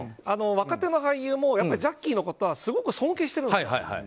若手の俳優もジャッキーのことはすごく尊敬してるんです。